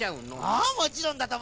ああもちろんだとも。